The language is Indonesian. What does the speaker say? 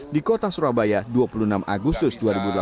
di kota surabaya dua puluh enam agustus dua ribu delapan belas